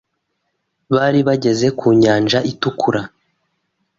bari bageze ku nyanja itukura